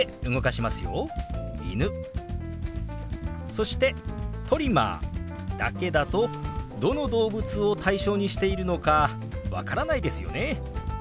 そして「トリマー」だけだとどの動物を対象にしているのか分からないですよね。